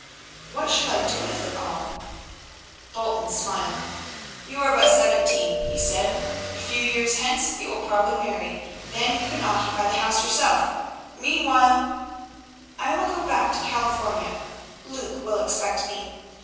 "What shall I do with it all?" Bolton smiled. "You are but seventeen," he said. "A few years hence you will probably marry. Then you can occupy the house yourself. Meanwhile " "I will go back to California. Luke will expect me.